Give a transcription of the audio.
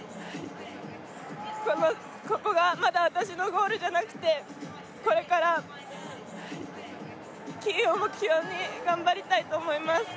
このここがまだ私のゴールじゃなくてこれから金を目標に頑張りたいと思います